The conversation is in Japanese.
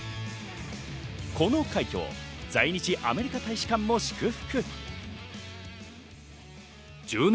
この快挙を在日アメリカ大使館も祝福。